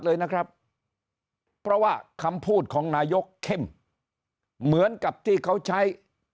เลยนะครับเพราะว่าคำพูดของนายกเข้มเหมือนกับที่เขาใช้